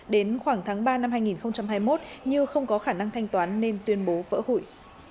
đến khoảng tháng ba năm hai nghìn hai mươi một như không có khả năng thanh toán nên tuyên bố vỡ hủy